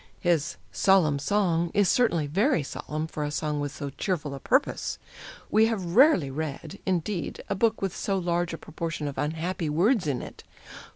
"His 'solemn song' is certainly very solemn for a song with so cheerful a purpose. We have rarely read, indeed, a book with so large a proportion of unhappy words in it.